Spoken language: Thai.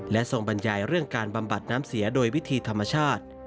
และทรงบรรยายเรื่องการบำบัดน้ำเสียโดยวิธีธรรมชาติ